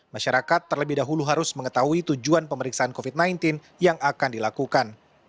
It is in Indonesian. masyarakat terlebih dahulu harus mengetahui tujuan pemeriksaan covid sembilan belas yang akan dilakukan